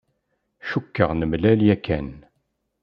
Cukkeɣ nemlal yakan.